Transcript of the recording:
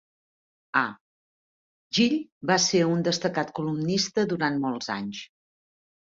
A. Gill va ser un destacat columnista durant molts anys.